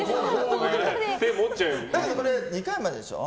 だってこれ２回まででしょ？